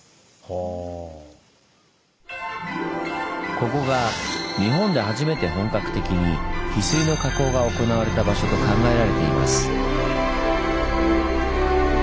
ここが日本で初めて本格的にヒスイの加工が行われた場所と考えられています。